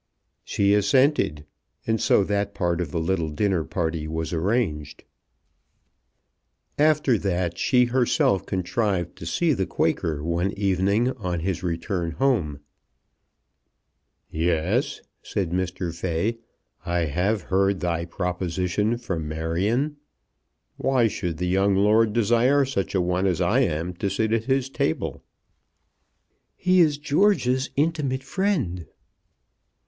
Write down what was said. She assented, and so that part of the little dinner party was arranged. After that she herself contrived to see the Quaker one evening on his return home. "Yes," said Mr. Fay; "I have heard thy proposition from Marion. Why should the young lord desire such a one as I am to sit at his table?" "He is George's intimate friend."